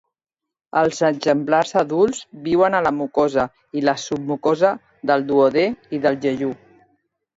Els exemplars adults viuen a la mucosa i la submucosa del duodè i del jejú.